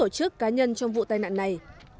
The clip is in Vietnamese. tổ chức cá nhân trong vụ tai nạn này